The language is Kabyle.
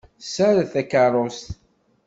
Tessared takeṛṛust.